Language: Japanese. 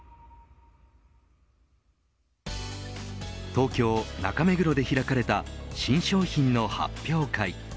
東京、中目黒で開かれた新商品の発表会。